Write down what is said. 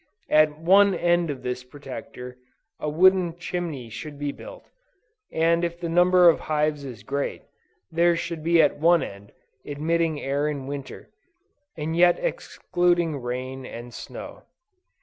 At one end of this Protector, a wooden chimney should be built, and if the number of hives is great, there should be one at each end, admitting air in Winter, and yet excluding rain and snow.